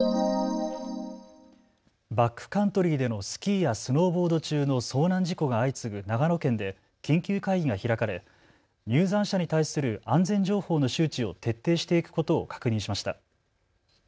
バックカントリーでのスキーやスノーボード中の遭難事故が相次ぐ長野県で緊急会議が開かれ入山者に対する安全情報の周知を徹底していくことを確認しました。